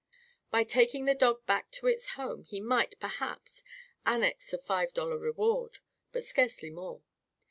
By taking the dog back to its home he might, perhaps, annex a five dollar reward; but scarcely more.